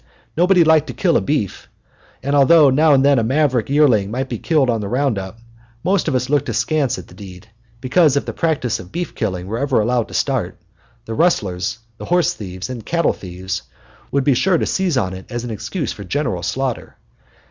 Nobody liked to kill a beef, and although now and then a maverick yearling might be killed on the round up, most of us looked askance at the deed, because if the practice of beef killing was ever allowed to start, the rustlers the horse thieves and cattle thieves would be sure to seize on it as an excuse for general slaughter.